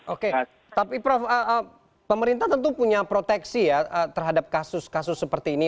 oke tapi prof pemerintah tentu punya proteksi ya terhadap kasus kasus seperti ini